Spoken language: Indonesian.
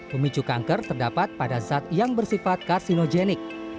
pemicu kanker terdapat pada zat yang bersifat karsinogenik